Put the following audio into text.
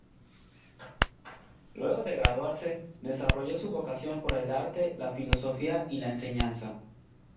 Luego de graduarse, desarrolló su vocación por el arte, la filosofía y la enseñanza.